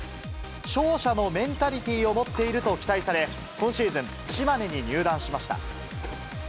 勝者のメンタリティーを持っていると期待され、今シーズン、島根に入団しました。